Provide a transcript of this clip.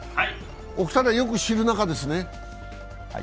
お二人はよく知る仲ですね。